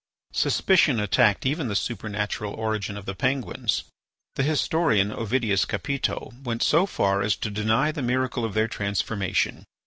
Suspicion attacked even the supernatural origin of the Penguins. The historian Ovidius Capito went so far as to deny the miracle of their transformation.